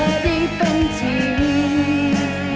อยากให้ฝันในใจของเธอได้เป็นจริง